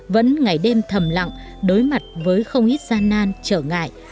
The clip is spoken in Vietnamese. vẫn ngày đêm thầm lặng đối mặt với không ít gian nan trở ngại